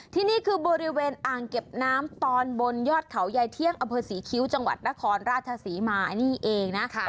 ที่นี่คือบริเวณอ่างเก็บน้ำตอนบนยอดเขายายเที่ยงอำเภอศรีคิ้วจังหวัดนครราชศรีมานี่เองนะ